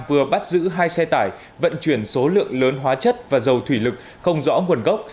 vừa bắt giữ hai xe tải vận chuyển số lượng lớn hóa chất và dầu thủy lực không rõ nguồn gốc